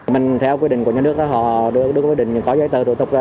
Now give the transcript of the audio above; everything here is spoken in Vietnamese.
mình theo quy định của nhà nước họ đưa quy định có giấy tờ tổ tục ra